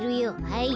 はい。